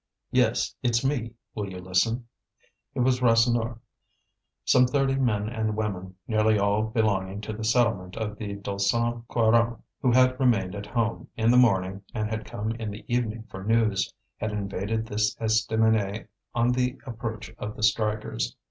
"Yes, it's me. Will you listen?" It was Rasseneur. Some thirty men and women, nearly all belonging to the settlement of the Deux Cent Quarante, who had remained at home in the morning and had come in the evening for news, had invaded this estaminet on the approach of the strikers.